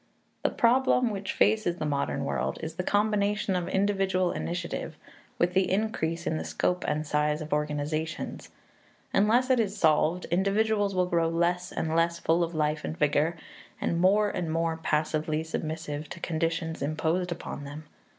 The problem which faces the modern world is the combination of individual initiative with the increase in the scope and size of organizations. Unless it is solved, individuals will grow less and less full of life and vigor, and more and more passively submissive to conditions imposed upon them.